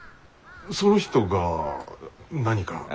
その人が何か？